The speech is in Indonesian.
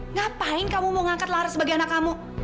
ngapain kamu mau ngangkat lara sebagai anak kamu